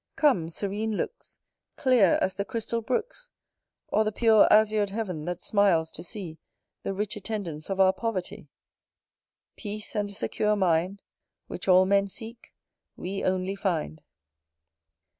Come, serene looks, Clear as the crystal brooks, Or the pure azur'd heaven that smiles to see The rich attendance of our poverty: Peace and a secure mind, Which all men seek, we only find.